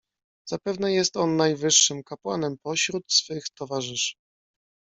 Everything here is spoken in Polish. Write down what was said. "Zapewne jest on najwyższym kapłanem pośród swych towarzyszy."